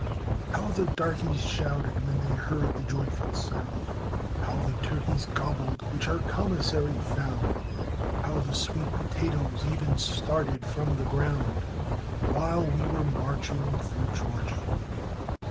How the darkeys shouted when they heard the joyful sound! How the turkeys gobbled which our commissary found! How the sweet potatoes even started from the ground, While we were marching through Georgia.